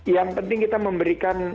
yang penting kita memberikan